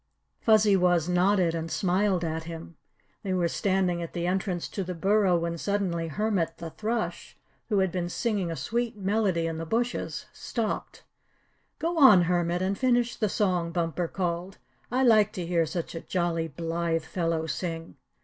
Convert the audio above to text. Fuzzy Wuzz nodded and smiled at him. They were standing at the entrance to the burrow when suddenly Hermit the Thrush, who had been singing a sweet melody in the bushes, stopped. "Go, on, Hermit, and finish the song," Bumper called. "I like to hear such a jolly, blithe fellow sing."